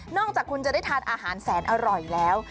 จากคุณจะได้ทานอาหารแสนอร่อยแล้ว